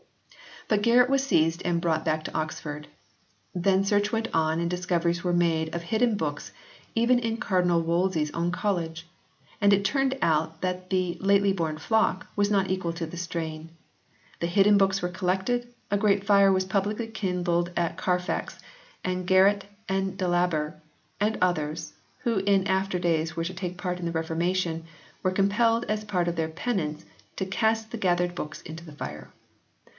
But Garret was seized and brought back to Oxford. Then search went on and discoveries were made of hidden books even in Cardinal Wolsey s own College. And it turned out that the " lately born flock" was not equal to the strain. The hidden books were collected, a great fire was publicly kindled at Carfax, and Garret and Dalaber with others, who in after days were to take part in the Reformation, were compelled as part of their penance to cast the gathered books into the fire.